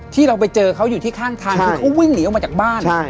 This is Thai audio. ที่เราไปเจอเขาอยู่ที่ข้างทางคือเขาวิ่งหนีออกมาจากบ้าน